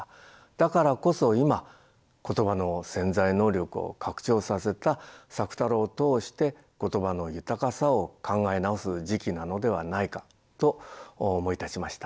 だからこそ今言葉の潜在能力を拡張させた朔太郎を通して言葉の豊かさを考え直す時期なのではないかと思い立ちました。